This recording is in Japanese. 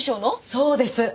そうです！